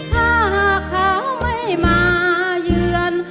ถ้าหากเขาไม่มาเยือน